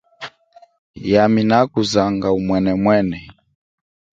Yami nakuzanga umwenemwene.